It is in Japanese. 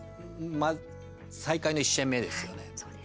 再開の１試合目ですよね。